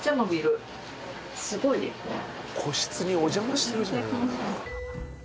個室にお邪魔してるじゃない。